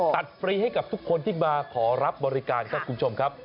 ฟรีให้กับทุกคนที่มาขอรับบริการครับคุณผู้ชมครับ